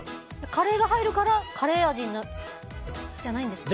カレーが入るからカレー味になるんじゃないですか。